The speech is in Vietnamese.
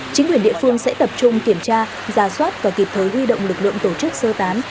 chính quyền địa phương sẽ tập trung kiểm tra giả soát và kịp thời huy động lực lượng tổ chức sơ tán